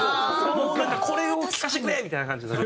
もうなんかこれを聴かせてくれみたいな感じになる。